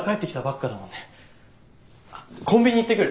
コンビニ行ってくる。